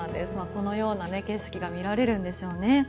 このような景色が見られるんでしょうね。